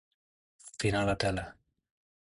Afinar la tela.